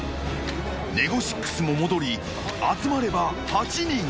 ネゴシックスも戻り集まれば８人。